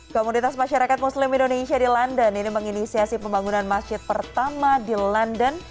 komunitas masyarakat muslim indonesia di london ini menginisiasi pembangunan masjid pertama di london